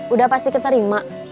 udah pasti keterima